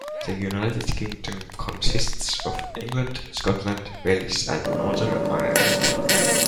The United Kingdom consists of England, Scotland, Wales and Northern Ireland.